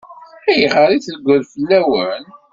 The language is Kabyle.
Ayɣer i treggel fell-awen?